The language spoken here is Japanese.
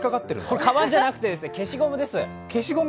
これかばんじゃなくて消しゴムです。